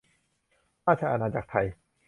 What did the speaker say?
ราชอาณาจักรไทย